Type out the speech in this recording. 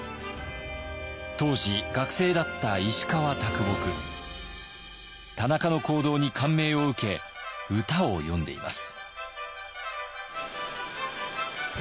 当時学生だった田中の行動に感銘を受け歌を詠んでいます。